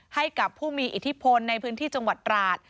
ให้กับผู้มีอิทธิพลในพื้นที่จังหวัดราช